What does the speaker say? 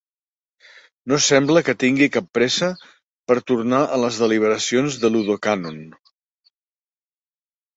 No sembla que tingui cap pressa per tornar a les deliberacions del Ludocànon.